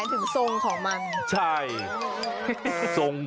ที่นี่มันเสาครับ